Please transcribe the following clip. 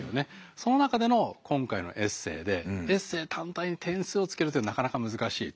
その中での今回のエッセーでエッセー単体で点数をつけるというのはなかなか難しいと。